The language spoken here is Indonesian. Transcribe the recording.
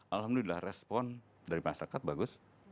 alhamdulillah respon dari masyarakat bagus